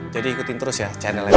jadi ikutin terus ya channel tgs